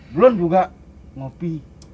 belum juga ngopi